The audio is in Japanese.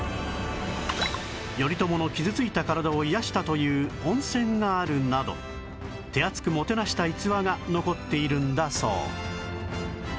頼朝の傷ついた体を癒やしたという温泉があるなど手厚くもてなした逸話が残っているんだそう